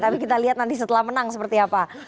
tapi kita lihat nanti setelah menang seperti apa